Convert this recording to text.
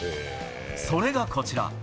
それがこちら。